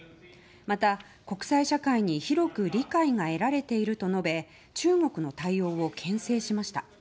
また、国際社会に広く理解が得られていると述べ中国の対応を牽制しました。